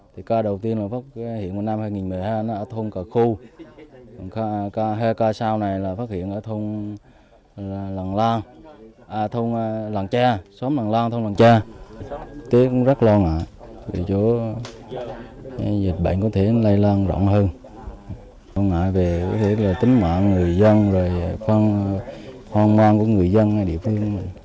dịch bệnh có thể lây lan rộng hơn không ngại về tính mạng người dân khoan ngoan của người dân địa phương